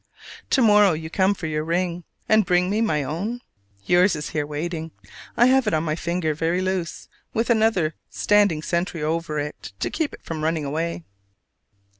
To morrow you come for your ring, and bring me my own? Yours is here waiting. I have it on my finger, very loose, with another standing sentry over it to keep it from running away.